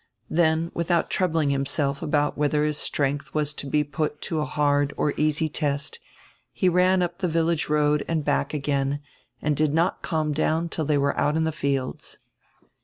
Then, without troubling himself about whether his strength was to be put to a hard or easy test, he ran up the village road and back again and did not calm down till they were out in the fields.